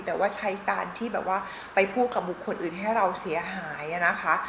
แต่ว่าใช้การที่แบบว่าไปพูดกับบุคคลอื่นให้เราเสียหายนะคะ